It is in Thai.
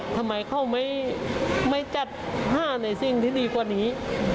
ทำไมเขาไม่จัดผ้าในสิ่งที่ดีกว่านี้